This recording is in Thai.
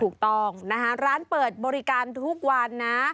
ถูกต้องนะคะร้านเปิดบริการทุกวันนะ